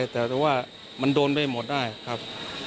แต่ว่ามันโดนไปหมดได้ครับ